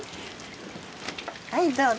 はいどうぞ。